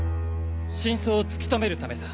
真相を突き止めるためさ。